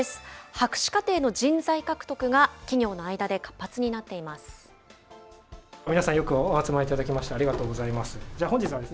博士課程の人材獲得が企業の間で活発になっています。